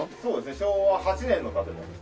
昭和８年の建物です。